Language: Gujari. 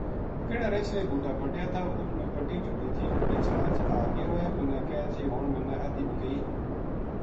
کہڑا رچھ نے بوٹا پٹیا تھا اُت میں پٹی جوڑی تھی وہ رچھ اج آ گیو ہے منا کہے جی ہن منا ادھی مکئی